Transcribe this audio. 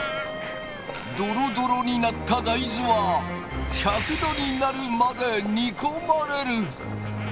ドロドロになった大豆は１００℃になるまで煮込まれる。